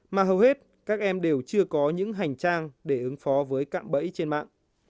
mà hầu hết các em đều chưa có những hành trang để ứng phó với cạm bẫy trên mạng